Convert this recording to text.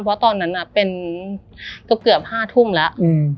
เพราะตอนนั้นเป็นเกือบ๕ทุ่มแล้ว